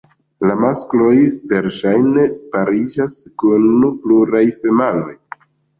La maskloj verŝajne pariĝas kun pluraj femaloj.